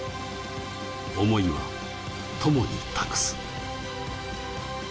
思いは友に託す。